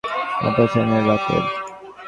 ব্যাংককের CCTV ফুটেজে, অপারেশনের রাতের।